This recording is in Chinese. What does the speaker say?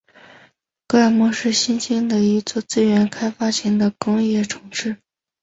格尔木是新兴的一座资源开发型的工业城市。